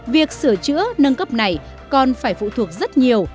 việc sửa chữa nâng cấp này còn phải phụ thuộc rất nhiều